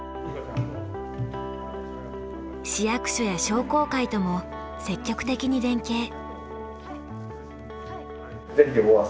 市役所や商工会とも積極的に連携。